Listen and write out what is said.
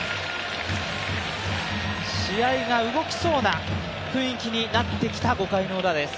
試合が動きそうな雰囲気になってきた５回のウラです。